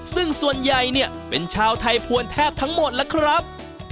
ซึ่งส่วนใหญ่เนี่ยเป็นชาวไทยพวนแทบทั้งหมดแล้วครับ